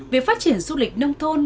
việc phát triển du lịch nông thôn